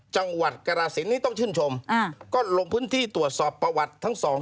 จังหวัดกรสินนี้ต้องชื่นชมอ่าก็ลงพื้นที่ตรวจสอบประวัติทั้งสอง